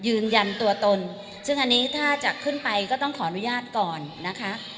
ยืนยันตัวตนซึ่งอันนี้ถ้าจะขึ้นไปก็ต้องขออนุญาตก่อนนะคะ